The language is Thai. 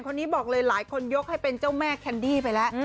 คนนี้บอกเลยหลายคนยกให้เป็นเจ้าแม่แคนดี้ไปแล้ว